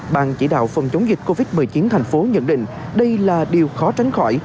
ban chỉ đạo phòng chống dịch covid một mươi chín thành phố nhận định đây là điều khó tránh khỏi